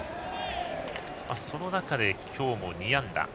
その中で今日も２安打。